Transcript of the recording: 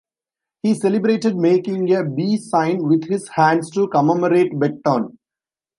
He celebrated making a "B" sign with his hands to commemorate Beckton.